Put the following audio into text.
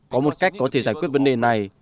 có một cách có thể giải quyết vấn đề này